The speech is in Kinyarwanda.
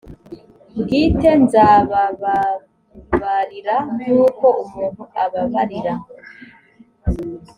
bwite nzabababarira nk uko umuntu ababarira